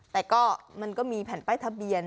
แต่ก็มันก็มีแผ่นป้ายทะเบียน